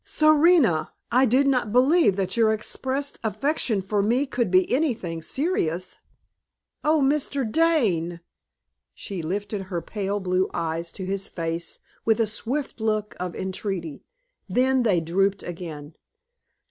"Serena, I did not believe that your expressed affection for me could be anything serious." "Oh, Mr. Dane!" She lifted her pale blue eyes to his face with a swift look of entreaty, then they drooped again.